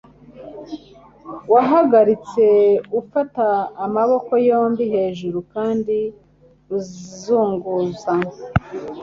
wahagaritse ufata amaboko yombi hejuru kandi uzunguza